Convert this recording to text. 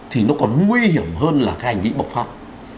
thì nó còn nguy hiểm hơn là cái hành vi bộc pháp